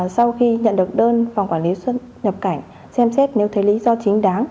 sau khi nhận được đơn phòng quản lý xuất nhập cảnh xem xét nếu thấy lý do chính đáng